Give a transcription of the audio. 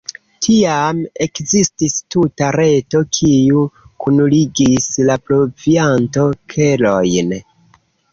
Tiam ekzistis tuta reto, kiu kunligis la provianto-kelojn.